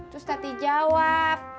terus tati jawab